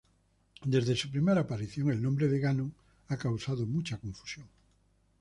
Desde su primera aparición, el nombre de Ganon ha causado mucha confusión.